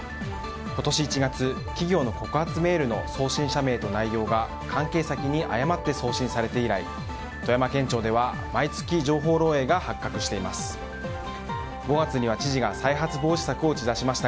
今年１月、企業の告発メールの送信者名と内容が関係先に誤って送信されて以来富山県庁では毎月情報漏洩が発覚しています。